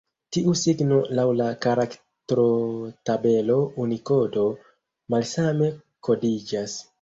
Tiu signo laŭ la karaktrotabelo Unikodo malsame kodiĝas.